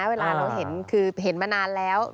เวลาเราเห็นคือเห็นมานานแล้ว